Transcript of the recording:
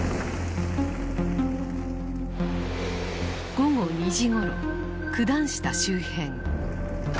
午後２時ごろ九段下周辺。